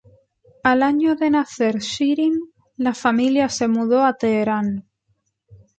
Al año de nacer Shirin, la familia se mudó a Teherán.